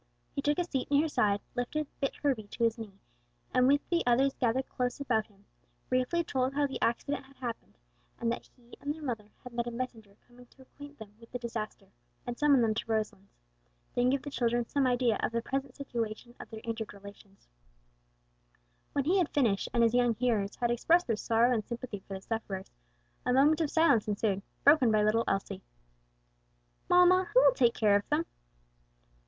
He took a seat near her side, lifted "bit Herbie" to his knee, and with the others gathered close about him, briefly told how the accident had happened, and that he and their mother had met a messenger coming to acquaint them with the disaster, and summon them to Roselands; then gave the children some idea of the present situation of their injured relations. When he had finished, and his young hearers had expressed their sorrow and sympathy for the sufferers, a moment of silence ensued, broken by little Elsie. "Mamma, who will take care of them?"